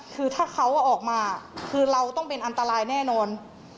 คือถ้าเขาออกมาคือเราต้องเป็นอันตรายแน่นอน